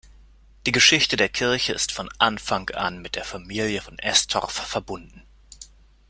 Die Geschichte der Kirche ist von Anfang an mit der Familie von Estorff verbunden.